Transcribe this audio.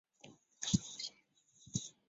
乳腺导管原位癌。